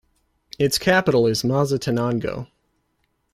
Its capital is Mazatenango.